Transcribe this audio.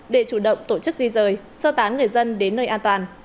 để chủ động tổ chức di rời sơ tán người dân đến nơi an toàn